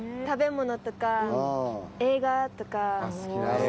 食べ物とか映画とか。